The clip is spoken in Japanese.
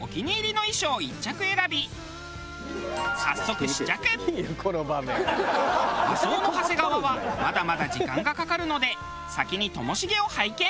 ともしげも和装の長谷川はまだまだ時間がかかるので先にともしげを拝見。